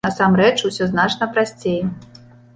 Насамрэч, усё значна прасцей.